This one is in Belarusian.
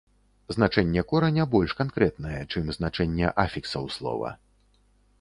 Значэнне кораня больш канкрэтнае, чым значэнне афіксаў слова.